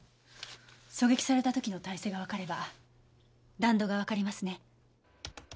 狙撃された時の体勢がわかれば弾道がわかりますね。